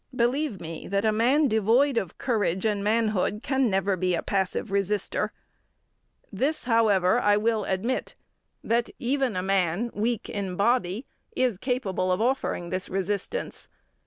Believe me that a man devoid of courage and manhood can never be a passive resister. This, however, I will admit: that even a man, weak in body, is capable of offering this resistance.